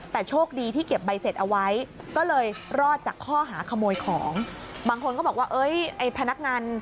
แต่โชคดีที่เก็บใบเสร็จเอาไว้ก็เลยรอดจากข้อหาขโมยของบางคนก็บอกว่าเอ้ยไอ้พนักงาน